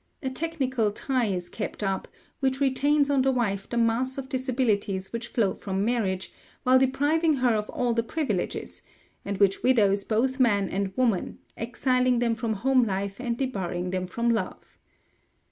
A technical tie is kept up, which retains on the wife the mass of disabilities which flow from marriage, while depriving her of all the privileges, and which widows both man and woman, exiling them from home life and debarring them from love.